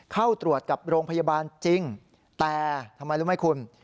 เข้าตรวจกับโรงพยาบาลจริงแต่ทำไมรู้ไหมคุณ